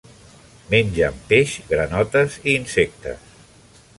Mengen peix, granotes i insectes.